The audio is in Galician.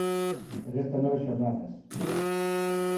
E restan nove xornadas.